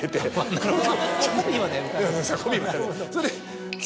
なるほど。